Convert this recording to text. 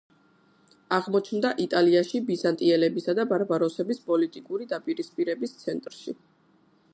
აღმოჩნდა იტალიაში ბიზანტიელების და ბარბაროსების პოლიტიკური დაპირისპირების ცენტრში.